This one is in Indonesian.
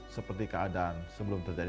seperti keadaan sebelum terjadi